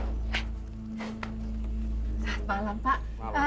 selamat malam pak